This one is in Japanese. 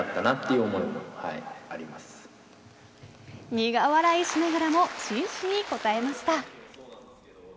苦笑いしながらも真摯に答えました。